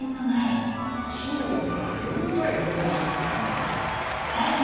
そうだ読みたい本があったんだ。